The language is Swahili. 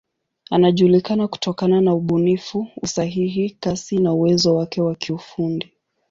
Anajulikana kutokana na ubunifu, usahihi, kasi na uwezo wake wa kiufundi.